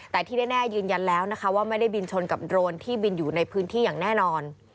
แต่ที่แน่ยืนยันแล้วนะคะว่าไม่ได้บินชนกับโรนที่บินอยู่ในพื้นที่อย่างแน่นอน